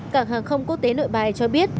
cảng hàng không quốc tế nội bài cho biết